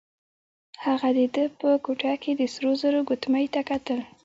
هغه د ده په ګوته کې د سرو زرو ګوتمۍ ته کتل.